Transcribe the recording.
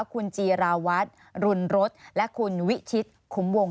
คุณจีราวัตรรุณรสและคุณวิชิตขุมวง